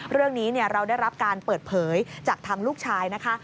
เรื่องนี้เราได้รับการเปิดเผยจากทางลูกชายนะคะ